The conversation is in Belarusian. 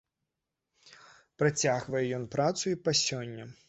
Працягвае ён працу і па сёння.